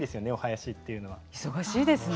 忙しいですね。